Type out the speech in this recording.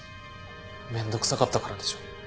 めんどくさかったからでしょ。